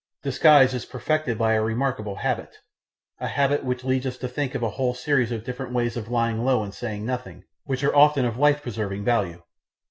Disguise is perfected by a remarkable habit, a habit which leads us to think of a whole series of different ways of lying low and saying nothing which are often of life preserving value.